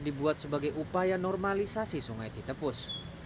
dibuat sebagai upaya normalisasi sungai citepus